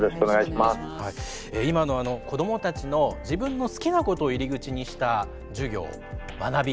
今の子どもたちの自分の好きなことを入り口にした授業学び